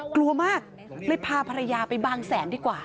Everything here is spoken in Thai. กลัวมากเลยพาภรรยาไปบางแสนดีกว่า